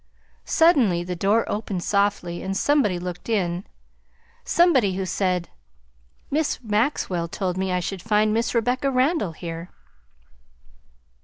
Suddenly the door opened softly and somebody looked in, somebody who said: "Miss Maxwell told me I should find Miss Rebecca Randall here."